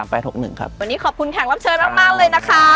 วันนี้ขอบคุณแขกรับเชิญมากเลยนะคะ